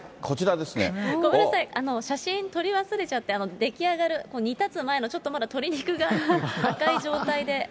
ごめんなさい、写真撮り忘れちゃって、出来上がる、煮立つ前のちょっとまだ鶏肉が赤い状態で。